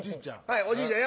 おじいちゃん。